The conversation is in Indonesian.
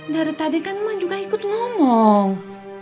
dari tadi kan memang juga ikut ngomong